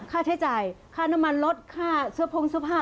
ค่าใช้จ่ายค่าน้ำมันลดค่าเสื้อพงเสื้อผ้า